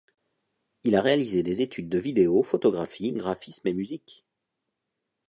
Il a réalisé des études de vidéo, photographie, graphisme et musique.